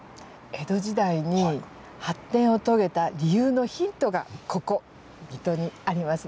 江戸時代に発展を遂げた理由のヒントがここ水戸にありますのでご紹介します。